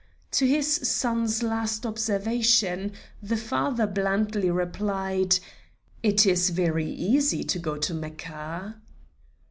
To his son's last observation the father blandly replied: "It is very easy to go to Mecca."